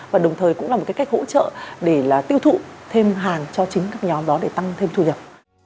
và đồng thời cũng là một cái cách hỗ trợ để tiêu thụ thêm hàng cho chính các nhóm đó để tăng thêm thu nhập